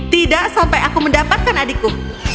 tidak sampai aku mendapatkan adikku